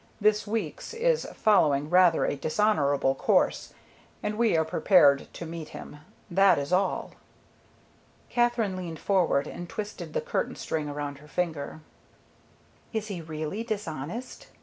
This Weeks is following rather a dishonorable course, and we are prepared to meet him; that is all." Katherine leaned forward and twisted the curtain string around her finger. "Is he really dishonest?"